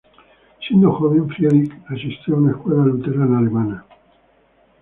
Siendo joven, Friedrich asistió a una escuela luterana alemana.